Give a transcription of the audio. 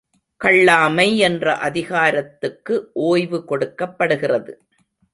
கள்ளாமை என்ற அதிகாரத்துக்கு ஓய்வு கொடுக்கப் படுகிறது.